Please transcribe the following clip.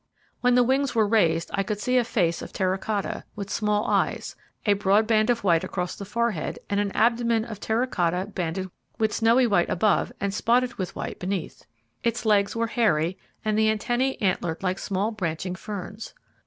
When the wings were raised I could see a face of terra cotta, with small eyes, a broad band of white across the forehead, and an abdomen of terra cotta banded with snowy white above, and spotted with white beneath. Its legs were hairy, and the antennae antlered like small branching ferns.